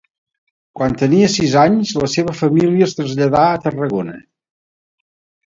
Quan tenia sis anys la seva família es traslladà a Tarragona.